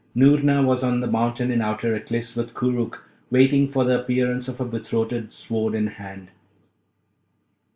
Noorna was on the mountain in outer Aklis with Koorookh, waiting for the appearance of her betrothed, Sword in hand.